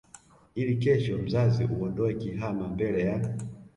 ili kesho mzazi uondoe kihama mbele ya